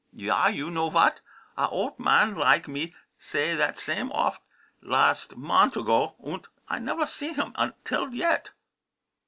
"Yah, you know vot? A olt man, lige me, say that same ofer lasd mont' ago, unt I nefer see him until yet!"